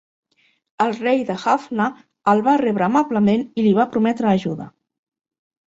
El rei de Jaffna el va rebre amablement i li va prometre ajuda.